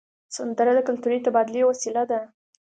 سندره د کلتوري تبادلې وسیله ده